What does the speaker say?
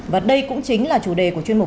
và đây cũng chính là chủ đề của chuyên mục